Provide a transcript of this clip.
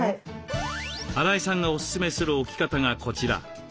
荒井さんがおススメする置き方がこちら。